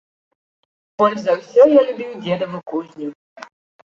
Больш за ўсё я любіў дзедаву кузню.